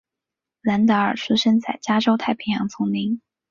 兰达尔出生在加州太平洋丛林。